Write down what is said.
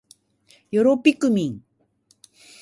よろぴくみん